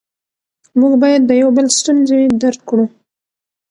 موږ باید د یو بل ستونزې درک کړو